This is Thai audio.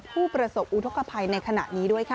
ผู้ประสบอุทธกภัยในขณะนี้ด้วยค่ะ